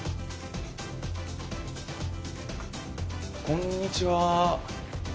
こんにちは。